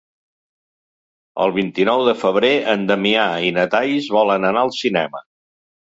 El vint-i-nou de febrer en Damià i na Thaís volen anar al cinema.